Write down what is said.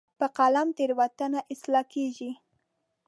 په قلم تیروتنې اصلاح کېږي.